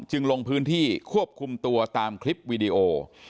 ลงพื้นที่ควบคุมตัวตามคลิปวีดีโอ